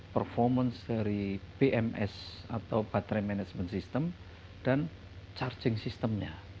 performance dari bms atau battery management system dan charging system nya